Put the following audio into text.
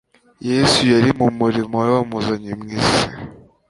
Yesu yari mu murimo wari waramuzanye mu isi